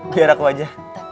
biar aku aja